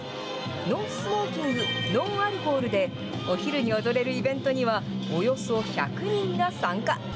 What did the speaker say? ノンスモーキング、ノンアルコールで、お昼に踊れるイベントには、およそ１００人が参加。